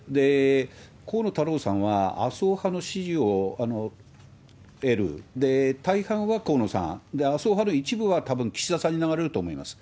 河野太郎さんは麻生派の支持を得る、大半は河野さん、麻生派の一部はたぶん岸田さんに流れると思います。